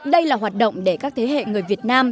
đây là hoạt động để các thế hệ người việt nam